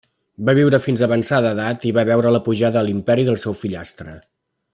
Va viure fins avançada edat i va veure la pujada a l'imperi del seu fillastre.